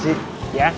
saya pakai aplikasi